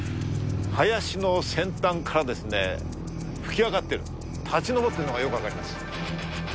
林の先端からですね、噴き上がってる、立ち上っているのがよく分かります。